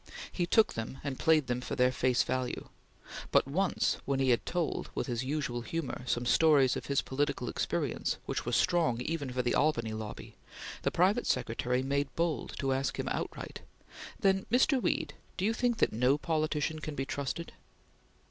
He took them and played them for their face value; but once, when he had told, with his usual humor, some stories of his political experience which were strong even for the Albany lobby, the private secretary made bold to ask him outright: "Then, Mr. Weed, do you think that no politician can be trusted?"